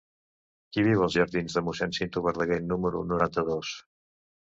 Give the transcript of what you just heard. Qui viu als jardins de Mossèn Cinto Verdaguer número noranta-dos?